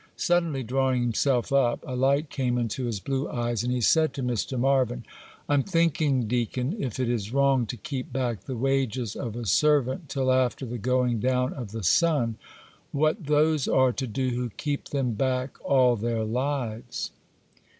Suddenly drawing himself up, a light came into his blue eyes, and he said to Mr. Marvyn,— 'I'm thinking, Deacon, if it is wrong to keep back the wages of a servant till after the going down of the sun, what those are to do who keep them back all their lives.